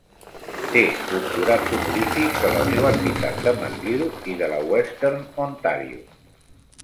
Té doctorats honorífics de la Universitat de McGill i de la Western Ontario.